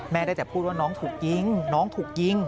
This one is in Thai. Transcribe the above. ได้แต่พูดว่าน้องถูกยิงน้องถูกยิง